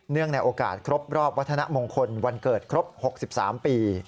ในโอกาสครบรอบวัฒนมงคลวันเกิดครบ๖๓ปี